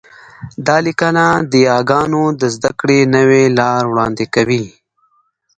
دا لیکنه د یاګانو د زده کړې نوې لار وړاندې کوي